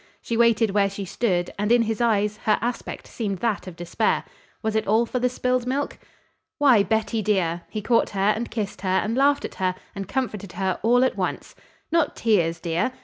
She waited where she stood, and in his eyes, her aspect seemed that of despair. Was it all for the spilled milk? "Why, Betty dear!" He caught her and kissed her and laughed at her and comforted her all at once. "Not tears, dear?